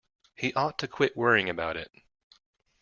He ought to quit worrying about it.